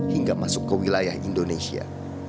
hingga masuk ke wilayah indonesia